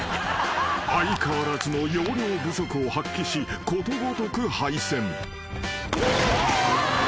［相変わらずの容量不足を発揮しことごとく敗戦］